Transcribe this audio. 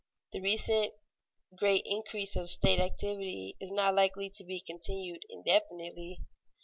The recent great increase of state activity is not likely to be continued indefinitely.